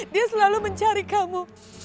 dia selalu mencari kamu